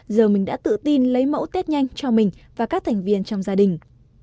giờ mình đã tự tin lấy mẫu tết nhanh cho mình và các thành viên trong gia đình